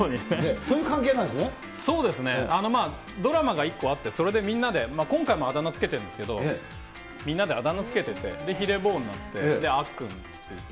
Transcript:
そうですね、まあ、ドラマが１個あって、それでみんなで、今回もあだ名付けてるんですけど、みんなであだ名付けてて、ヒデ坊になって、あっくんって言って。